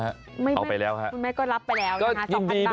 เอาไปแล้วฮะสองพันตะคุณแม่ก็รับไปแล้วนะฮะ